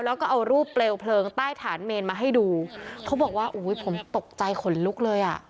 แล้วก็เอารูปเปลวเพลิงใต้ฐานเมนมาให้ดูเขาบอกว่าอุ้ยผมตกใจขนลุกเลยอ่ะ